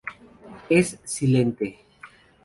Es silente.